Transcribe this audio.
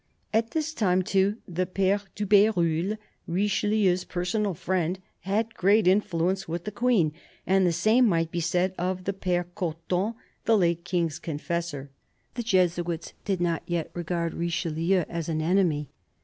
At this time, too, the Pere de BeruUe, Richelieu's personal friend, had great influence with the Queen, and the same might be said of the Pere Cotton, the late King's confessor. The Jesuits did not yet regard Richelieu as an enemy.